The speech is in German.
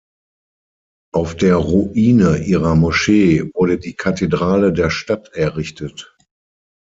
Auf der Ruine ihrer Moschee wurde die Kathedrale der Stadt errichtet.